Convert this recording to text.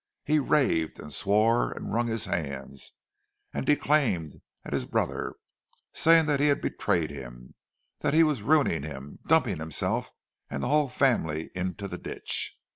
He raved and swore and wrung his hands, and declaimed at his brother, saying that he had betrayed him, that he was ruining him—dumping himself and the whole family into the ditch.